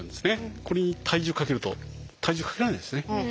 これに体重かけると体重かけられないですね。